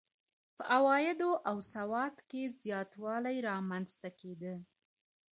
په عوایدو او سواد کې زیاتوالی رامنځته کېده.